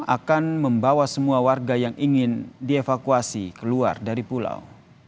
akan membawa semua warga yang ingin dievakuasi keluar dari pulau